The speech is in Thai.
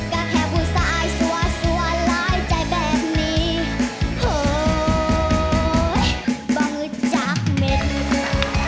ก็แค่พูดสายสัวสัวหลายใจแบบนี้เฮ้ยบ่งืดจักเม็ดมือ